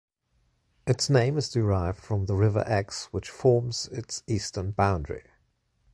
Its name is derived from the River Exe, which forms its eastern boundary.